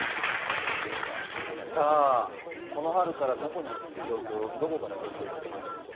この春、どこから上京してしまうんですか？